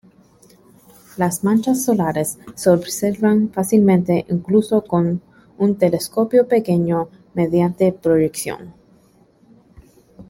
Las manchas solares se observan fácilmente incluso con un telescopio pequeño mediante proyección.